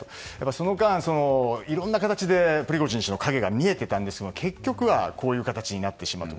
その間、いろいろな形でプリゴジン氏の影が見えていたんですが結局はこういう形になってしまった。